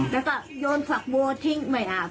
แล้วก็โยนฝักบัวทิ้งไม่อาบ